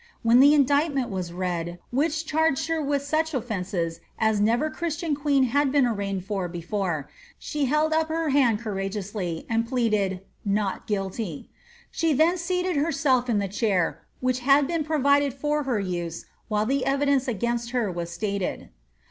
When the indictment was read, which charged her widi such oflences as never Christian queen had been arraigned for before, she held up her hand courageously, and pleaded ^ not guilty.*' Site then seated herself in the chair wliich had been provided for her use while the evidence against her was stated.